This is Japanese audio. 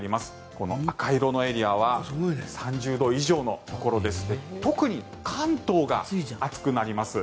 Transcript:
この赤色のエリアは３０度以上のところでして特に、関東が暑くなります。